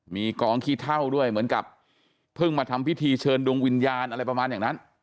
มีกองขี้เท่าด้วยเหมือนกับเพิ่งมาทำพิธีเชิญดวงวิญญาณอะไรประมาณอย่างนั้น